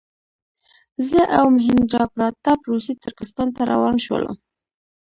زه او مهیندراپراتاپ روسي ترکستان ته روان شولو.